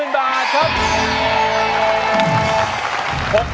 ๖๐๐๐๐บาทครับ